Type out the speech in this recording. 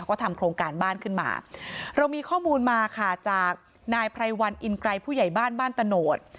ก็ทำโครงการบ้านขึ้นมาเรามีข้อมูลมาค่ะจากนายไพรวันอินไกรผู้ใหญ่บ้านบ้านตะโนธ